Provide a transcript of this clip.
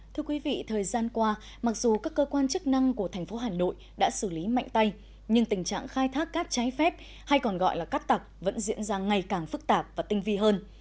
thưa quý vị thời gian qua mặc dù các cơ quan chức năng của thành phố hà nội đã xử lý mạnh tay nhưng tình trạng khai thác cát trái phép hay còn gọi là cắt tặc vẫn diễn ra ngày càng phức tạp và tinh vi hơn